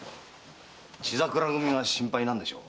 血桜組が心配なんでしょう？